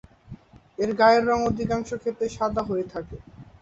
এর গায়ের রং অধিকাংশ ক্ষেত্রেই সাদা হয়ে থাকে।